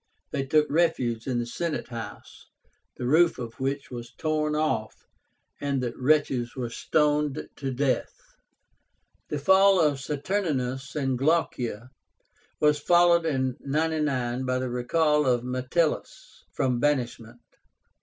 They took refuge in the Senate House, the roof of which was torn off, and the wretches were stoned to death. The fall of Saturnínus and Glaucia was followed in 99 by the recall of Metellus from banishment.